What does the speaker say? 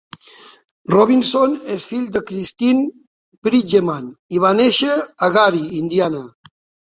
Robinson és fill de Christine Bridgeman i va nàixer a Gary, Indiana.